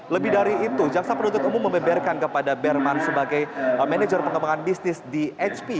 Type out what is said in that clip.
lebih dari itu jaksa penuntut umum membeberkan kepada berman sebagai manajer pengembangan bisnis di hp